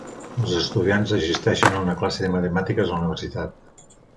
Els estudiants assisteixen a una classe de matemàtiques a la universitat.